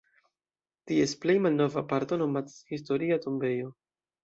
Ties plej malnova parto nomatas "Historia tombejo".